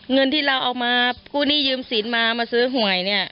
เงินที่เราเอามากู้หนี้ยืมสินมามาซื้อหวยเนี่ย